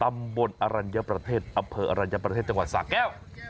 อับเพิร์ดอรัญยประเทศจังหวัดสามารถแคว